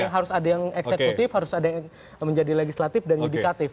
harus ada yang eksekutif harus ada yang menjadi legislatif dan yudikatif